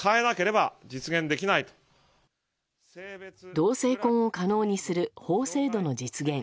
同性婚を可能にする法制度の実現